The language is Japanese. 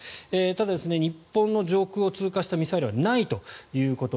ただ、日本の上空を通過したミサイルはないということ。